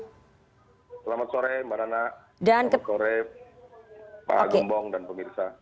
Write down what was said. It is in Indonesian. selamat sore mbak nana selamat sore pak gembong dan pemirsa